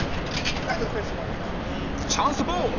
チャンスボール！